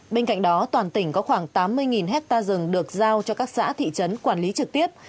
bên cạnh đó toàn tỉnh có khoảng tám mươi hectare rừng được giao cho các xã thị trấn quản lý trực tiếp